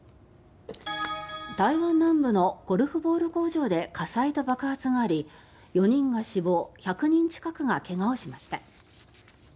台湾南部のゴルフボール工場で火災と爆発があり４人が死亡１００人近くが怪我をしました。